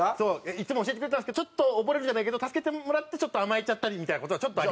いつも教えてくれたんですけどちょっと溺れるじゃないけど助けてもらって甘えちゃったりみたいな事はちょっと。